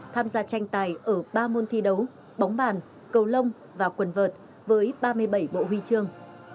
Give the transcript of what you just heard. tham gia tranh tài ở ba môn thi đấu bóng bàn cầu lông và quần vợt với ba mươi bảy bộ huy chương